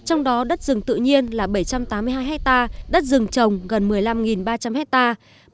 trong đó đất rừng tự nhiên là bảy trăm tám mươi hai hectare đất rừng trồng gần một mươi năm ba trăm linh hectare